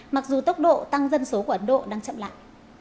mặc dù tốc độ tăng dân số của ấn độ đang chậm lại